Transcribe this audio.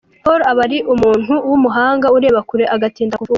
Paul aba ri umuntu w’umuhanga ureba kure, agatinda kuvuga.